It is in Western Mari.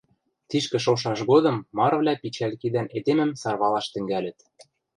Тишкӹ шошаш годым марывлӓ пичӓл кидӓн эдемӹм сарвалаш тӹнгалыт: